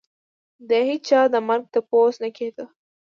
د هېچا د مرګ تپوس نه کېدو.